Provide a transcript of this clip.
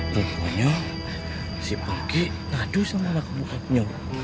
pokoknya si pagi nadu sama anak bukatnya